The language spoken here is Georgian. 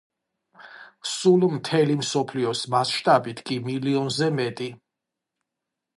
სულ მთელი მსოფლიოს მასშტაბით კი მილიონზე მეტი.